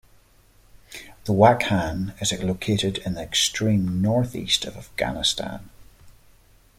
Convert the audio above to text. The Wakhan is located in the extreme north-east of Afghanistan.